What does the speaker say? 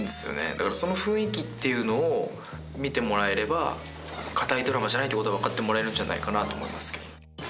だからその雰囲気っていうのを見てもらえれば堅いドラマじゃないっていうことが分かってもらえるんじゃないかなと思いますけど。